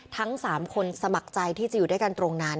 ทั้ง๓คนสมัครใจที่จะอยู่ด้วยกันตรงนั้น